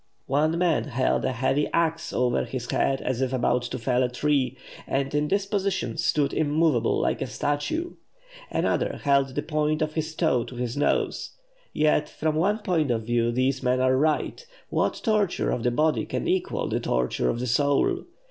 One man held a heavy axe over his head as if about to fell a tree, and in this position stood immovable like a statue; another held the point of his toe to his nose. Yet, from one point of view, these men are right. What torture of the body can equal the torture of the soul?